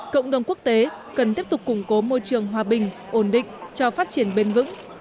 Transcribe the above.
cộng đồng quốc tế cần tiếp tục củng cố môi trường hòa bình ổn định cho phát triển bền vững